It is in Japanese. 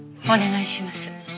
お願いします。